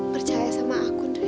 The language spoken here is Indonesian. percaya sama aku ndre